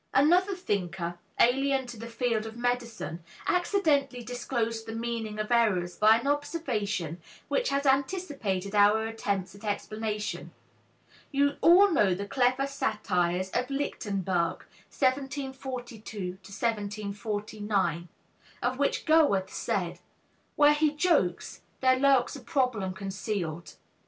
Another thinker, alien to the field of medicine, accidentally disclosed the meaning of errors by an observation which has anticipated our attempts at explanation. You all know the clever satires of Lichtenberg (1742 1749), of which Goethe said, "Where he jokes, there lurks a problem concealed."